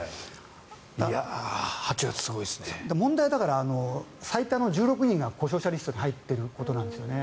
問題は最多の１６人が故障者リストに入っていることなんですね。